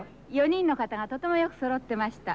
４人の方がとてもよくそろってました。